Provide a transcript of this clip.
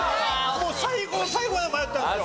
もう最後の最後まで迷ったんですよ。